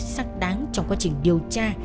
xác đáng trong quá trình điều tra